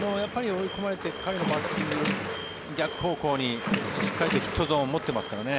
追い込まれて彼のバッティング逆方向にしっかりとヒットゾーンを持ってますからね。